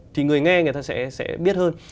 thì người nghe người ta sẽ biết hơn